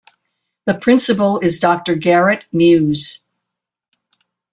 The principal is Doctor Garett Muse.